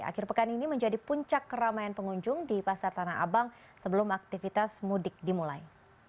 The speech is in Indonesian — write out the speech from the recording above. akhir pekan ini menjadi puncak keramaian pengunjung di pasar tanah abang sebelum aktivitas mudik dimulai